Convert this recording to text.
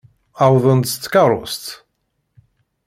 Wwḍen-d s tkeṛṛust.